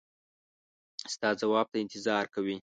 ستا ځواب ته انتظار کوي.